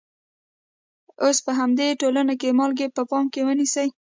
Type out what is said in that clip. اوس په همدې ټولنه کې مالګه په پام کې ونیسئ.